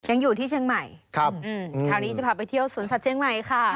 ยังอยู่ที่เชียงใหม่ครับคราวนี้จะพาไปเที่ยวสวนสัตวเชียงใหม่ค่ะ